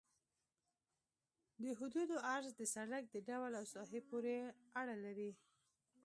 د حدودو عرض د سرک د ډول او ساحې پورې اړه لري